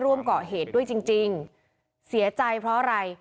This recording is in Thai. พวกมันต้องกินกันพี่